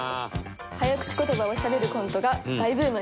「早口ことばをしゃべるコントが大ブームに」